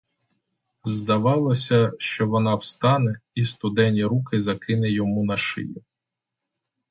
Здавалося, що вона встане, і студені руки закине йому на шию.